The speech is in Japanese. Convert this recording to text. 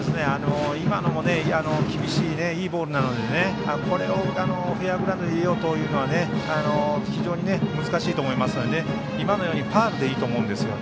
今のも、厳しいいいボールなのでこれをフェアグラウンドに入れようというのは非常に難しいと思いますので今のようにファウルでいいと思います。